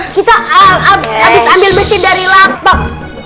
kita abis ambil mesin dari lampau